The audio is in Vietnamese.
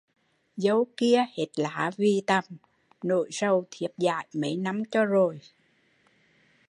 Dâu kia hết lá vì tằm, nỗi sầu thiếp giải mấy năm cho rồi